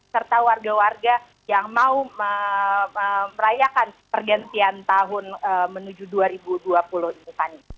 serta warga warga yang mau merayakan pergantian tahun menuju dua ribu dua puluh ini